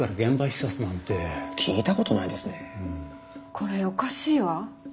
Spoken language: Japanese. これおかしいわ。